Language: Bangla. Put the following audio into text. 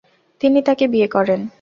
তিনি তাকে বিয়ে করেন।